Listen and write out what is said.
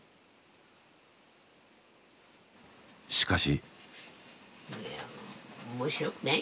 しかし。